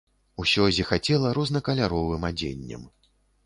Усё зіхацела рознакаляровым адзеннем.